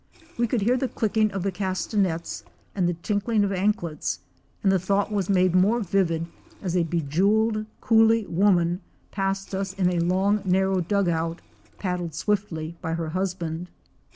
One could hear the clicking of the cas tanets and the tinkling of anklets, and the thought was made more vivid as a bejewelled coolie woman passed us in a long narrow dug out, paddled swiftly by her husband.